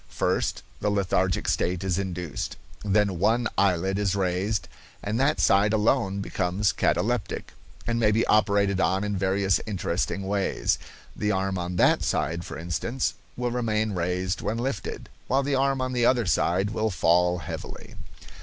First, the lethargic stage is induced, then one eyelid is raised, and that side alone becomes cataleptic, and may be operated on in various interesting ways. The arm on that side, for instance, will remain raised when lifted, while the arm on the other side will fall heavily.